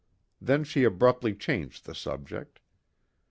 Then she abruptly changed the subject.